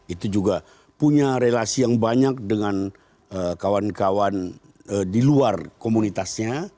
itu juga punya relasi yang banyak dengan kawan kawan di luar komunitasnya